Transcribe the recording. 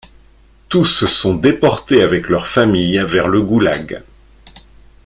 Tous sont déportés avec leurs familles vers le Goulag.